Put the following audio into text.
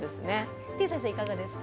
てぃ先生いかがですか？